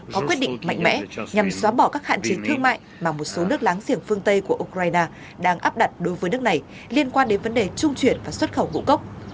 có quyết định mạnh mẽ nhằm xóa bỏ các hạn chế thương mại mà một số nước láng giềng phương tây của ukraine đang áp đặt đối với nước này liên quan đến vấn đề trung chuyển và xuất khẩu ngũ cốc